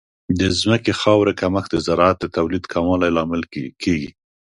د ځمکې خاورې کمښت د زراعت د تولید کموالی لامل کیږي.